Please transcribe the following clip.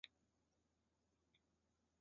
此举令贝拉十分伤心。